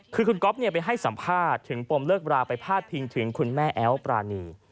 คือคุณก๊อฟไปให้สัมภาษณ์ถึงปมเลิกราไปพาดพิงถึงคุณแม่แอ๊วปรานี